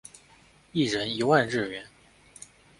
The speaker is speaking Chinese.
一人一万日元